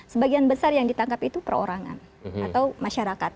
sebagian besar yang ditangkap itu perorangan atau masyarakat